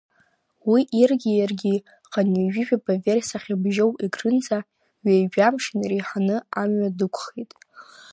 Уи иргьы иаргьы, хынҩажәижәаба верс ахьыбжьоу Егрынӡа, ҩеижәамш инареиҳаны амҩа дықәхеит.